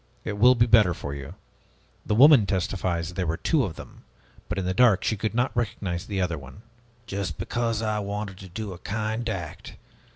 It will be better for you. The woman testifies, 'There were two of them,' but in the dark she could not recognize the other one." "Just because I wanted to do a kind act!